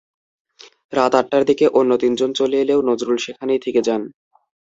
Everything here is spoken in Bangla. রাত আটটার দিকে অন্য তিনজন চলে এলেও নজরুল সেখানেই থেকে যান।